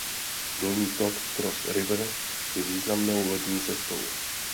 Dolní tok Cross River je významnou lodní cestou.